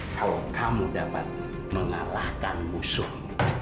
kalau kamu dapat mengalahkan musuh